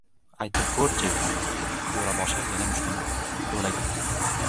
— Aytib ko‘r-chi! — Jo‘raboshi yana mushtini do‘laytirdi.